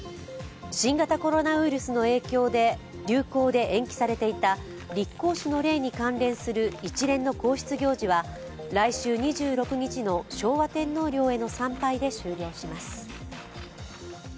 新型コロナウイルスの流行で延期されていた立皇嗣の礼に関連する一連の皇室行事は来週２６日の昭和天皇陵への参拝で終了します。